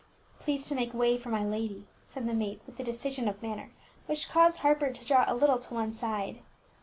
"Please to make way for my lady," said the maid with a decision of manner which caused Harper to draw a little to one side.